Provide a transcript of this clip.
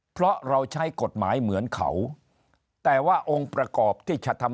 เพราะเราใช้กฎหมายเหมือนเขาแต่ว่าองค์ประกอบที่จะทำ